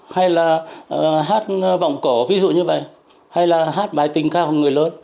hay là hát vọng cổ ví dụ như vậy hay là hát bài tình cao của người lớn